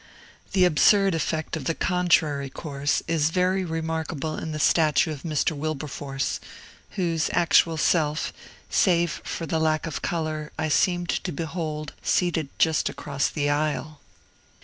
The absurd effect of the contrary course is very remarkable in the statue of Mr. Wilberforce, whose actual self, save for the lack of color, I seemed to behold, seated just across the aisle.